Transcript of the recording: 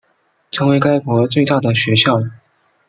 成为该国最大的学校。